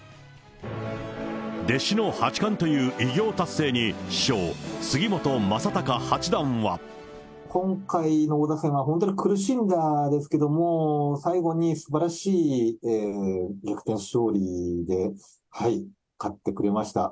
弟子の八冠という偉業達成に、師匠、今回の王座戦は、本当に苦しんだですけども、最後にすばらしい逆転勝利で、勝ってくれました。